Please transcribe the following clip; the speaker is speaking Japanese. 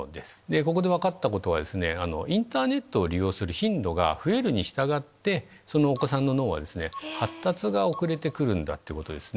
ここで分かったことはインターネットを利用する頻度が増えるにしたがってそのお子さんの脳は発達が遅れて来るんだってことですね。